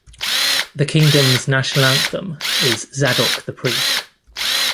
The kingdom's national anthem is "Zadok the Priest".